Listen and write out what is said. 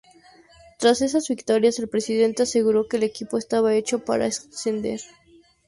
Tras esas victorias el presidente aseguró que el equipo estaba hecho para ascender.